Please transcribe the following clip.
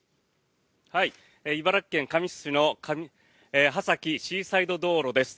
茨城県神栖市の波崎シーサイド道路です。